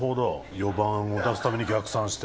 ４番を出すために逆算して。